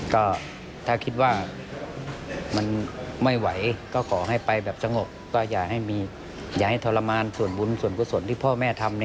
ก็ถ้าคิดว่ามันไม่ไหวก็ขอให้ไปแบบสงบก็อย่าให้ทรมานส่วนบุญส่วนกุศลที่พ่อแม่ทำ